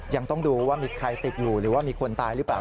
ยังต้องดูว่ามีใครติดอยู่หรือว่ามีคนตายหรือเปล่า